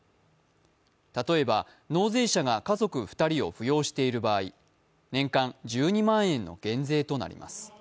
例えば、納税者が家族２人を扶養している場合、年間１２万円の減税となります。